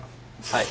はい。